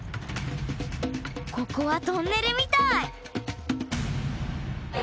ここはトンネルみたい！